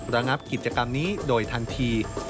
ระงับกิจกรรมนี้โดยทันที